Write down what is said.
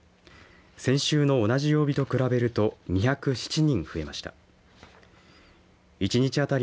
先週の同じ曜日と比べると２０７人増えました。